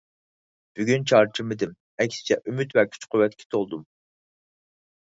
بۈگۈن چارچىمىدىم. ئەكسىچە ئۈمىد ۋە كۈچ-قۇۋۋەتكە تولدۇم.